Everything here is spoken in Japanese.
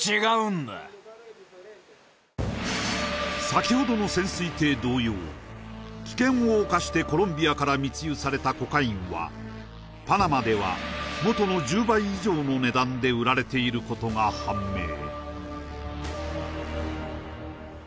さきほどの潜水艇同様危険を冒してコロンビアから密輸されたコカインはパナマではもとの１０倍以上の値段で売られていることが判明